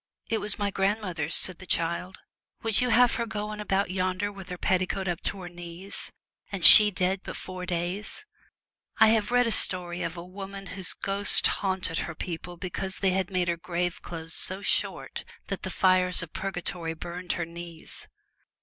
' It was my grandmother's,' said the child; 'would you have her going about yonder with her petticoat up to her knees, and she dead but four days ?' I have read a story of a woman whose ghost haunted her people because they had made her grave clothes so short that the fires of purgatory burned her knees.